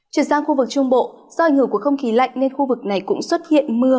chuyển sang khu vực trung bộ do ảnh hưởng của không khí lạnh nên khu vực này cũng xuất hiện mưa